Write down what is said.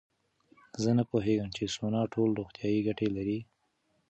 زه نه پوهېږم چې سونا ټول روغتیایي ګټې لري.